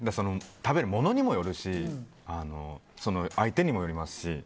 食べるものにもよるし相手にもよりますし。